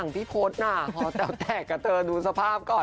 หนังพี่พฤษน่ะพอแตกกับเธอดูสภาพก่อน